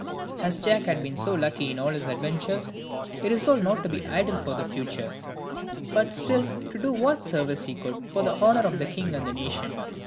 As Jack had been so lucky in all his adventures, he resolved not to be idle for the future, but still to do what services he could for the honour of the king and the nation.